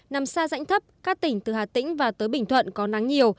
nằm xa rãnh thấp các tỉnh từ hà tĩnh và tới bình thuận có nắng nhiều